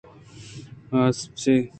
اپسے